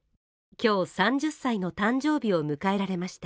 今日、３０歳の誕生日を迎えられました。